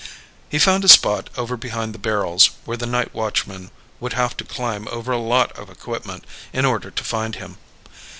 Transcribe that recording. He found a spot over behind the barrels where the night watchman would have to climb over a lot of equipment in order to find him.